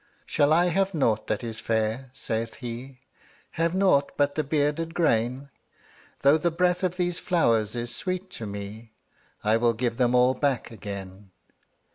``Shall I have nought that is fair?'' saith he; ``Have nought but the bearded grain? Though the breath of these flowers is sweet to me, I will give them all back again.''